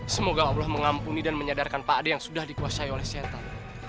semoga allah mengampuni dan menyadarkan pak ade yang sudah dikuasai oleh setan